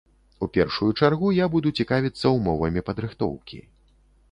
У першую чаргу я буду цікавіцца ўмовамі падрыхтоўкі.